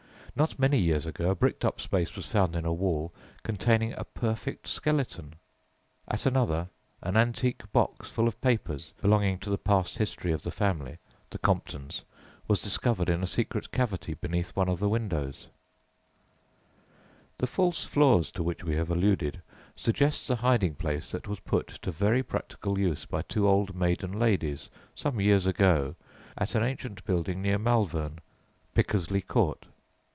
Not many years ago a bricked up space was found in a wall containing a perfect skeleton! at another an antique box full of papers belonging to the past history of the family (the Comptons) was discovered in a secret cavity beneath one of the windows. [Illustration: MINSTREL'S GALLERY, COMPTON WINYATES] The "false floors" to which we have alluded suggests a hiding place that was put to very practical use by two old maiden ladies some years ago at an ancient building near Malvern, Pickersleigh Court.